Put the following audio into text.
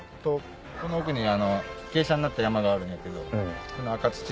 この奥に傾斜になった山があるんやけど。